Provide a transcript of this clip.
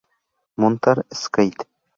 Montar Skate.